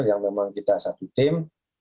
yang memang kita satu tim